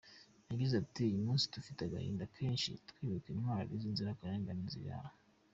Yagize ati “Uyu munsi dufite agahinda kenshi twibuka intwari n’inzirakarengane ziri aha.